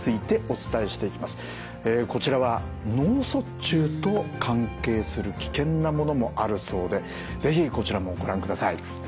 こちらは脳卒中と関係する危険なものもあるそうで是非こちらもご覧ください。